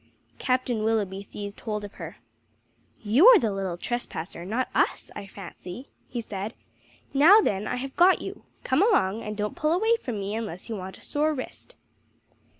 Captain Willoughby seized hold of her. "You are the little trespasser, not us, I fancy," he said. "Now then I have got you. Come along, and don't pull away from me unless you want a sore wrist."